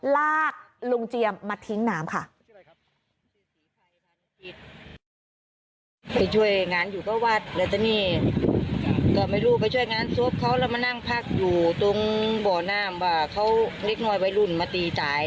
ลากลุงเจียมมาทิ้งน้ำค่ะ